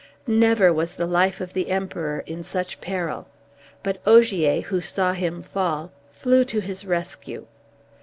Never was the life of the Emperor in such peril. But Ogier, who saw him fall, flew to his rescue.